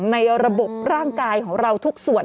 ในระบบร่างกายของเราทุกส่วน